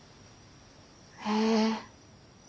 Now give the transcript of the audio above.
へえ。